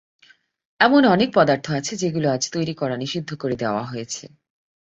এমন অনেক পদার্থ আছে যেগুলো আজ তৈরি করা থেকে নিষিদ্ধ করে দেওয়া হয়েছে।